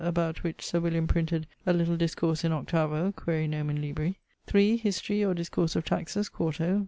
about which Sir William printed a little discourse in 8vo: quaere nomen libri.] 3. Historie or Discourse of Taxes, 4to.